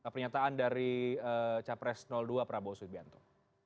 pernyataan dari capres dua prabowo subianto